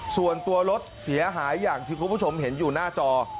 ส่วนตัวรถเสียหายอย่างที่คุณผู้ชมเห็นอยู่หน้าจอ